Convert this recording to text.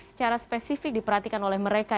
secara spesifik diperhatikan oleh mereka